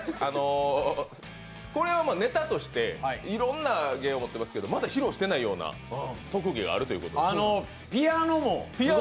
これはネタとして、いろんな芸を持ってますけどまだ披露してないような特技があるということですね？